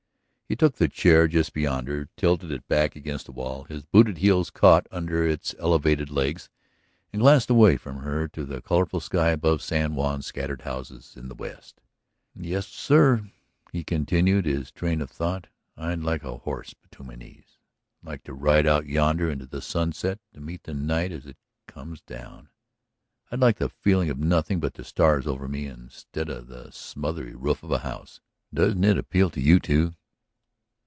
He took the chair just beyond her, tilted it back against the wall, his booted heels caught under its elevated legs, and glanced away from her to the colorful sky above San Juan's scattered houses in the west. "Yes, sir," he continued his train of thought, "I'd like a horse between my knees; I'd like to ride out yonder into the sunset, to meet the night as it comes down; I'd like the feeling of nothing but the stars over me instead of the smothery roof of a house. Doesn't it appeal to you, too?"